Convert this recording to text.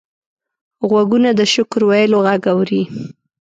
غوږونه د شکر ویلو غږ اوري